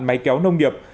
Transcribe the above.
máy kéo nông nghiệp